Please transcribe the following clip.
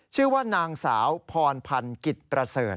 ชื่อว่านางสาวพรพันธ์กิจประเสริฐ